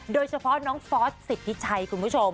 โดยเฉพาะน้องฟอสสิทธิชัยคุณผู้ชม